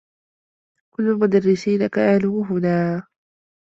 كلّ المدرّسين كانوا هنا.